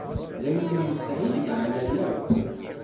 D ayen nesεi lmeεna yakk.